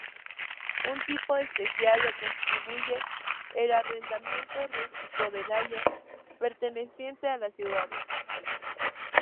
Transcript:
Un tipo especial lo constituye el arrendamiento rústico del "ager" perteneciente a las ciudades.